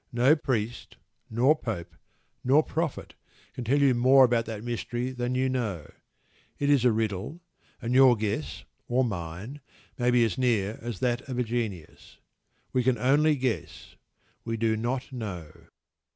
No priest, nor pope, nor prophet can tell you more about that mystery than you know. It is a riddle, and your guess or mine may be as near as that of a genius. We can only guess. We do not know.